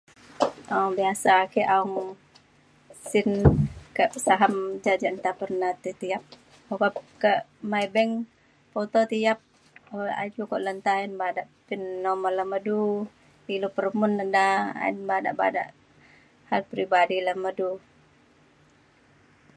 um biasa ake aung sin ke saham, ja je' nta pernah tai tiap, oka ke maybank poto tiap jukuk le nta ayen badak pin nombor le me du. ilu peremun ne da. ayen badak badak hal peribadi le me du.